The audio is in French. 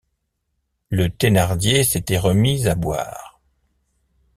Le Thénardier s’était remis à boire.